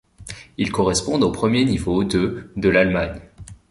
Ils correspondent au premier niveau de de l'Allemagne.